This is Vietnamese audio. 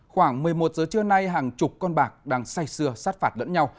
khoảng một mươi một giờ trưa nay hàng chục con bạc đang say xưa sát phạt lẫn nhau